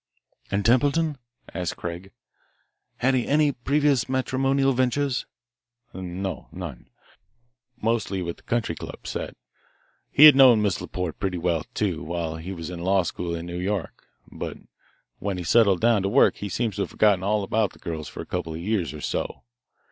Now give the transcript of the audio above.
"And Templeton?" asked Craig. "Had he had any previous matrimonial ventures?" "No, none. Of course he had had love affairs, mostly with the country club set. He had known Miss Laporte pretty well, too, while he was in law school in New York. But when he settled down to work he seems to have forgotten all about the girls for a couple of years or so.